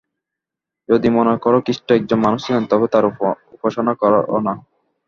যদি মনে কর খ্রীষ্ট একজন মানুষ ছিলেন তবে তাঁর উপাসনা কর না।